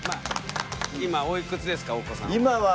今おいくつですかお子さんは。